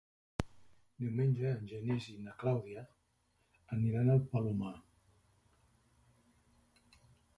Diumenge en Genís i na Clàudia aniran al Palomar.